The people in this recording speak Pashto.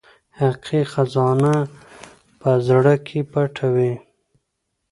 حقیقي خزانه په زړه کې پټه وي.